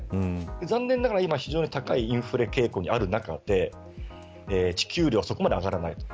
残念ながら今、非常に高いインフレ傾向にある中で給料はそこまで上がらない。